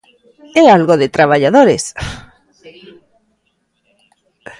¡É algo de traballadores!